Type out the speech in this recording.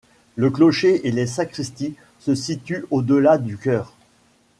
Le clocher et les sacristies se situent au-delà du chœur.